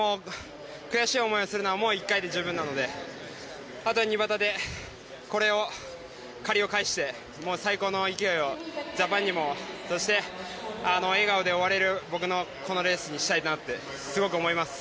悔しい思いをするのは１回で十分なのであとは２バタでこれを借りを返して最高の勢いをジャパンにも笑顔で終われる僕のこのレースにしたいなとすごく思います。